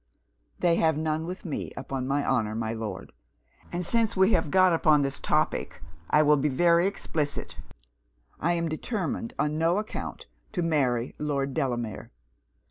'They have none with me, upon my honour, my Lord. And since we have got upon this topic, I will be very explicit I am determined on no account to marry Lord Delamere.